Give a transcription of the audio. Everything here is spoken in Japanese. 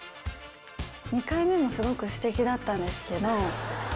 ２回目もすごくステキだったんですけど。